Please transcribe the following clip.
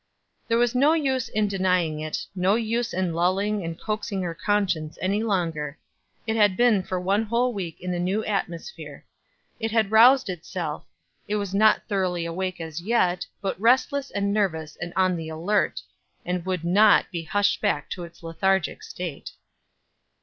There was no use in denying it, no use in lulling and coaxing her conscience any longer, it had been for one whole week in a new atmosphere; it had roused itself; it was not thoroughly awake as yet, but restless and nervous and on the alert and would not be hushed back into its lethargic state.